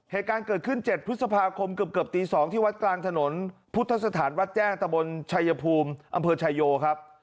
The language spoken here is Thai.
เหตุการณ์เกิดขึ้น๗พฤษภาคมเกือบตี๒ที่วัดกลางถนนพุทธสถานวัดแจ้งตะบนชายภูมิอำเภอชายโยครับ